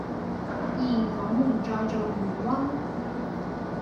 而我們在造魚塭